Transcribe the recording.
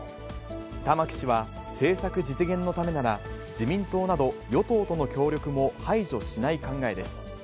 玉木氏は、政策実現のためなら、自民党など与党との協力も排除しない考えです。